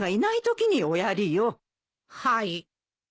はい。